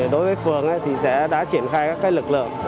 đối với phường thì sẽ đã triển khai các lực lượng